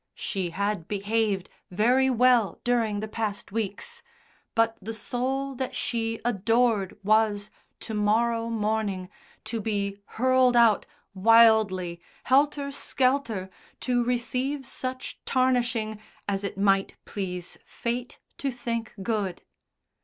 She had behaved very well during the past weeks, but the soul that she adored was, to morrow morning, to be hurled out, wildly, helter skelter, to receive such tarnishing as it might please Fate to think good.